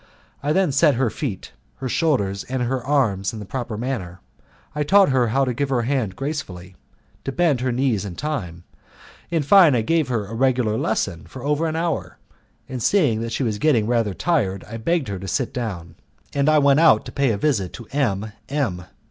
I then set her feet, her shoulders, and her arms in the proper manner. I taught her how to give her hand gracefully, to bend her knees in time; in fine, I gave her a regular lesson for an hour, and seeing that she was getting rather tired I begged her to sit down, and I went out to pay a visit to M. M.